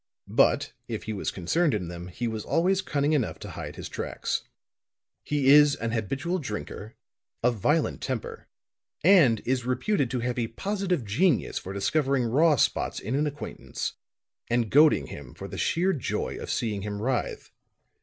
But, if he was concerned in them, he was always cunning enough to hide his tracks. "He is an habitual drinker, of violent temper, and is reputed to have a positive genius for discovering raw spots in an acquaintance and goading him for the sheer joy of seeing him writhe.